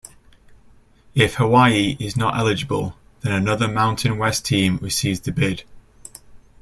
If Hawaii is not eligible then another Mountain West team receives the bid.